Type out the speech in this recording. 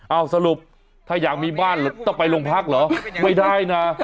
เอาสรุปถ้าอยากมีบ้านต้องไปโรงพักเหรอไม่ได้นะ